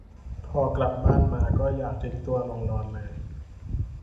พอกลับบ้านมาก็อยากทิ้งตัวลงนอนเลย